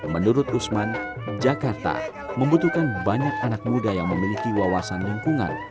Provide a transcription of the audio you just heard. menurut usman jakarta membutuhkan banyak anak muda yang memiliki wawasan lingkungan